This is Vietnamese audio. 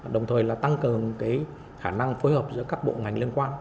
đồng thời là tăng cường khả năng phối hợp giữa các bộ ngành liên quan